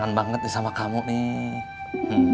keren banget nih sama kamu nih